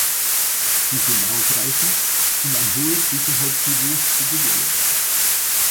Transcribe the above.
Sie sind ausreichend, um ein hohes Sicherheitsniveau zu gewährleisten.